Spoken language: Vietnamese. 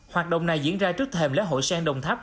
hoạt động này diễn ra trước thềm lễ hội sen đồng tháp